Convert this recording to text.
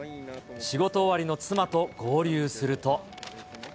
仕事終わりに合流すると。